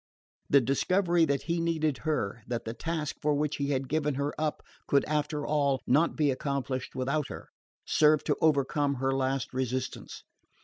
The discovery that he needed her, that the task for which he had given her up could after all not be accomplished without her, served to overcome her last resistance.